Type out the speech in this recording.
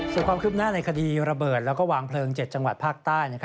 ภาพควบคิดหน้าในคดีระเบิดและวางพลึง๗จังหวัดภาคใต้